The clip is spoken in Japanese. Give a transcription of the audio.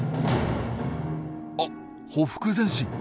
あっ「ほふく前進」。